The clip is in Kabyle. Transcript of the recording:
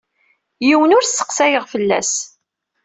Yiwen ur sseqsayeɣ fell-as.